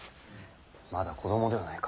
まだ子供ではないか。